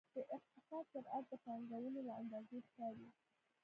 د اقتصاد سرعت د پانګونې له اندازې ښکاري.